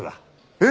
えっ！